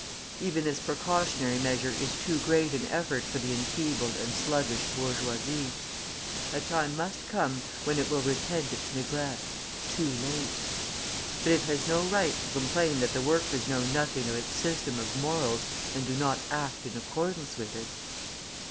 Even this precautionary measure is too great an effort for the enfeebled and sluggish bourgeoisie. A time must come when it will repent its neglect, too late. But it has no right to complain that the workers know nothing of its system of morals, and do not act in accordance with it.